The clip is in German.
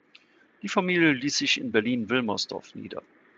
Die Familie ließ sich in Berlin-Wilmersdorf nieder.